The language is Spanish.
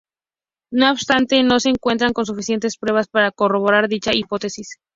No obstante, no se cuentan con suficientes pruebas para corroborar dicha hipótesis.